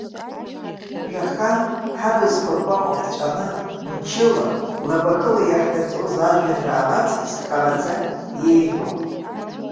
Жәаха ҳабзқәа рҟәаҟәа ԥҵәаны, мчыла, лабахыла иаҳдырҵоз ажәеинраала аҵкыс хараӡа еиӷьуп.